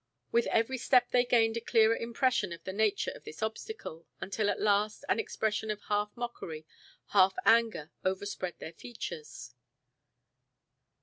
With every step they gained a clearer impression of the nature of this obstacle until, at last, an expression of half mockery, half anger overspread their features.